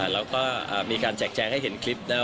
แล้วก็มีการแจกแจงให้เห็นคลิป